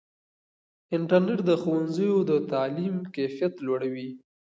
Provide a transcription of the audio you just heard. انټرنیټ د ښوونځیو د تعلیم کیفیت لوړوي.